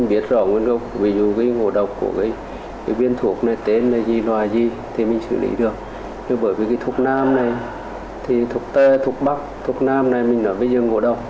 bởi vì thuốc nam này thuốc tê thuốc bắc thuốc nam này mình ở với dương ngộ độc